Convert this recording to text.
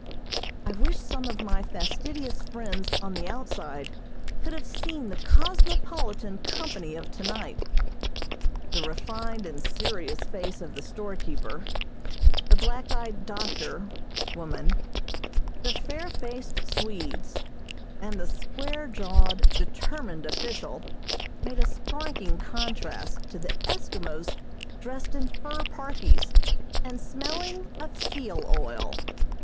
I wish some of my fastidious friends on the outside could have seen the cosmopolitan company of tonight. The refined and serious face of the storekeeper, the black eyed doctor (woman), the fair faced Swedes, and the square jawed, determined official, made a striking contrast to the Eskimos dressed in fur parkies, and smelling of seal oil.